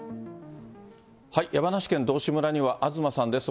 山梨県道志村には東さんです。